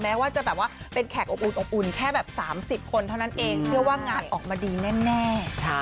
ว่าจะแบบว่าเป็นแขกอบอุ่นอบอุ่นแค่แบบ๓๐คนเท่านั้นเองเชื่อว่างานออกมาดีแน่